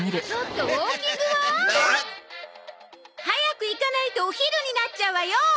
早く行かないとお昼になっちゃうわよ！